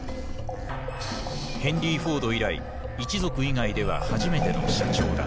ヘンリー・フォード以来一族以外では初めての社長だった。